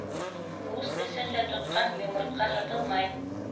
Ус эсендә тоткан йомортҡа һытылмай.